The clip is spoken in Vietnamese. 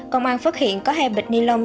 công an phát hiện có hai bịch ni lông